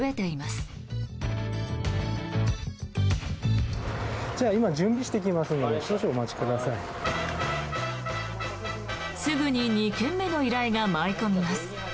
すぐに２件目の依頼が舞い込みます。